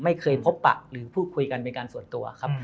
ไม่เคยพบปะหรือพูดคุยกันเป็นการส่วนตัวครับ